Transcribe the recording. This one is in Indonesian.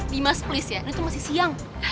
dimas please ya ini tuh masih siang